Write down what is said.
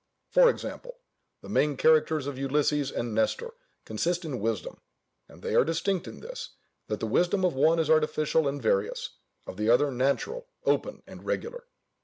For example: the main characters of Ulysses and Nestor consist in wisdom; and they are distinct in this, that the wisdom of one is artificial and various, of the other natural, open, and regular.